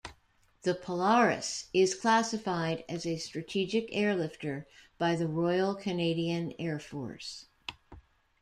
The Polaris is classified as a strategic airlifter by the Royal Canadian Air Force.